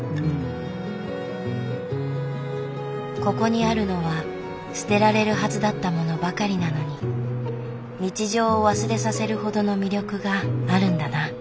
ここにあるのは捨てられるはずだったものばかりなのに日常を忘れさせるほどの魅力があるんだな。